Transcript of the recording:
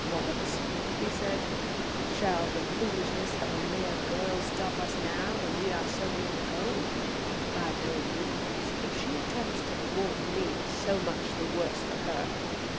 "What!" he said, "shall the foolishness of a mere girl stop us now, when we are so near the goal? By no means. If she attempts to thwart me, so much the worse for her.